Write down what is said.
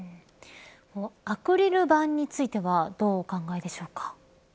アクリル板についてはどうお考えでしょうか。